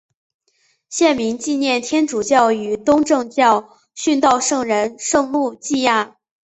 县名纪念天主教与东正教殉道圣人圣路济亚。